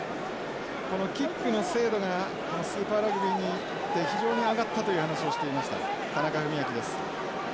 このキックの精度がスーパーラグビーにいって非常に上がったという話をしていました田中史朗です。